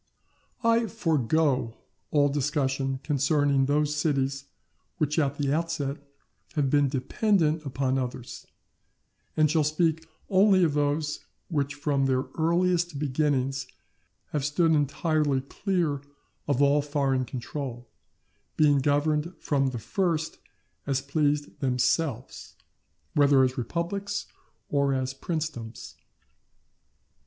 I forego all discussion concerning those cities which at the outset have been dependent upon others, and shall speak only of those which from their earliest beginnings have stood entirely clear of all foreign control, being governed from the first as pleased themselves, whether as republics or as princedoms.